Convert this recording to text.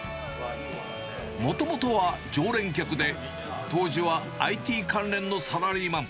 もともとは常連客で、当時はＩＴ関連のサラリーマン。